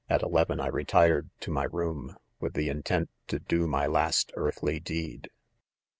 eleven I retired to my room, with the Intent to, do my last earthly deed.